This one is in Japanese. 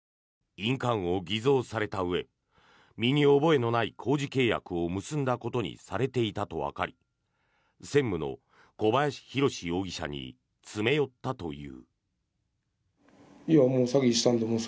印鑑を偽造されたうえ身に覚えのない工事契約を結んだことにされていたとわかり専務の小林廣容疑者に詰め寄ったという。